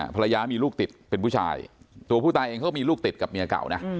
ภรรยามีลูกติดเป็นผู้ชายตัวผู้ตายเองเขาก็มีลูกติดกับเมียเก่านะ